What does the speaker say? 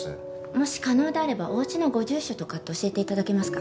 もし可能であればお家のご住所とかって教えて頂けますか？